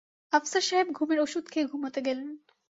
আফসার সাহেব ঘুমের অষুধ খেয়ে ঘুমুতে গেলেন।